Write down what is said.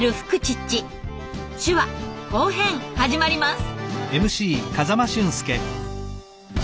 手話・後編始まります。